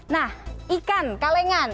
nah ikan kalengan